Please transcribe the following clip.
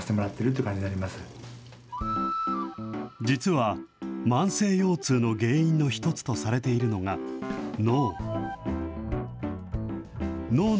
実は、慢性腰痛の原因の一つとされているのが、脳。